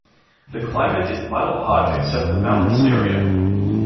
The climate is mild-hot except the mountainous area.